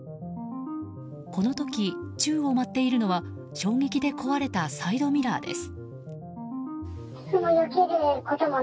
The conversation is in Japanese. この時、宙を舞っているのは衝撃で壊れたサイドミラーです。